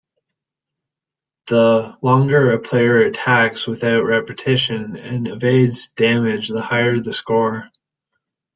The longer a player attacks without repetition and evades damage, the higher the score.